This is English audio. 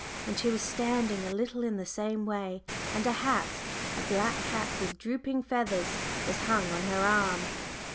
And she was standing a little in the same way, and a hat a black hat with drooping feathers was slung on her arm.